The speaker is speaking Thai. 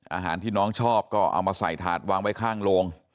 อาหารที่น้องชอบก็เอามาใส่ถาดวางไว้ข้างโรง